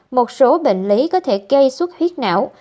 một số bệnh lý có thể gây suốt huyết não